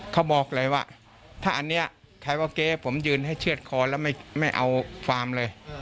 เขาบอกเลยว่าถ้าอันนี้ใครว่าเก๊ผมยืนให้เชื่อดคอแล้วไม่เอาฟาร์มเลย